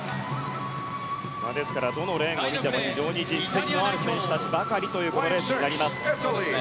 ですからどのレーンを見ても非常に実績のある選手たちばかりというこのレースになります。